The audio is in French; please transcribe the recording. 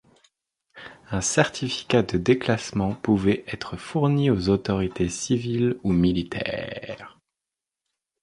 Un certificat de déclassement pouvait être fourni aux autorités civiles ou militaires.